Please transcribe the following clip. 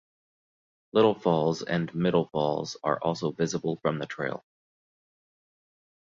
Little Falls and Middle Falls are also visible from the trail.